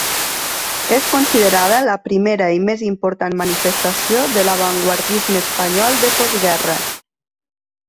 És considerada la primera i més important manifestació de l'avantguardisme espanyol de postguerra.